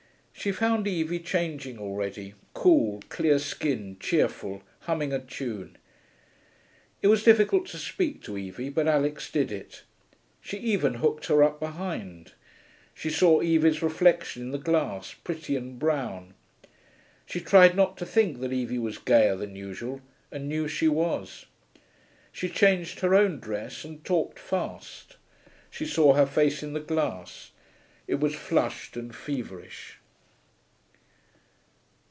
She found Evie changing already, cool, clear skinned, cheerful, humming a tune. It was difficult to speak to Evie, but Alix did it. She even hooked her up behind. She saw Evie's reflection in the glass, pretty and brown. She tried not to think that Evie was gayer than usual, and knew she was. She changed her own dress, and talked fast. She saw her face in the glass; it was flushed and feverish.